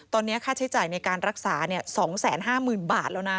ตอนนี้ค่าใช้จ่ายในการรักษา๒๕๐๐๐บาทแล้วนะ